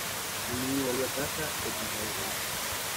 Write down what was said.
Un niño vuelve a casa de comprar el pan.